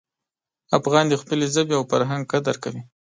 افغان د خپلې ژبې او فرهنګ قدر کوي.